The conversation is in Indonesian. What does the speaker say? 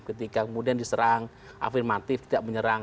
ketika kemudian diserang afirmatif tidak menyerang